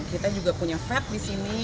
kita juga punya fed di sini